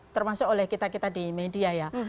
termasuk oleh kita kita di media ya